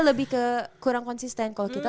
lebih ke kurang konsisten kalau kita